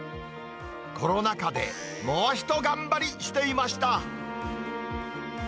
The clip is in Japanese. コロナ禍で、もうひと頑張りしていました。